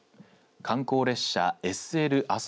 観光列車ＳＬあそ